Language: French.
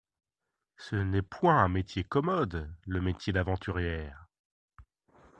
Ce n'est point un métier commode, le métier d'aventurière.